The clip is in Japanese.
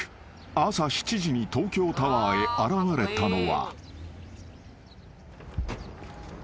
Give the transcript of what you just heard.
［朝７時に東京タワーへ現れたのは］